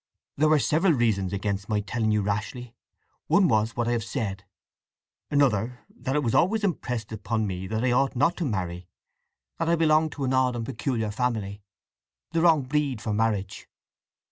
"There were several reasons against my telling you rashly. One was what I have said; another, that it was always impressed upon me that I ought not to marry—that I belonged to an odd and peculiar family—the wrong breed for marriage."